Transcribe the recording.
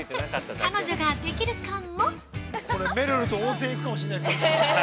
彼女ができるかもですよ。